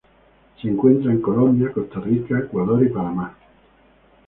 Se encuentra en Colombia, Costa Rica, Ecuador y Panamá.